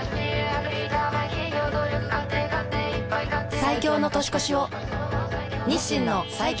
最強の年越しを日清の最強